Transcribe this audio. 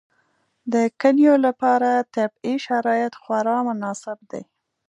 د کلیو لپاره طبیعي شرایط خورا مناسب دي.